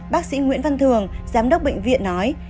bác sĩ nguyễn văn thường giám đốc bệnh viện nói